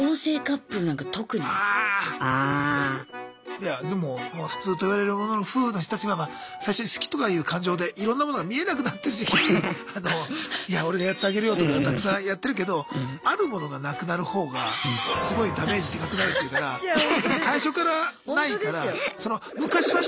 いやでも普通といわれるものの夫婦の人たちは最初に好きとかいう感情でいろんなものが見えなくなってる時期にいや俺がやってあげるよとかたくさんやってるけどあるものがなくなる方がすごいダメージでかくなるっていうから最初からないから。